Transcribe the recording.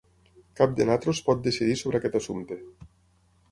Cap de nosaltres pot decidir sobre aquest assumpte.